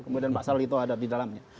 kemudian pak salito ada di dalamnya